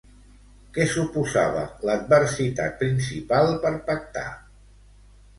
Què suposava l'adversitat principal per pactar?